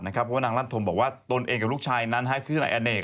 เพราะว่านางลั่นธมบอกว่าตนเองกับลูกชายนั้นคือนายอเนก